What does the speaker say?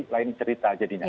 lain cerita jadinya